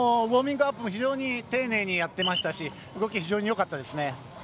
ウォーミングアップも非常に丁寧にやってましたし動き、非常によかったですね。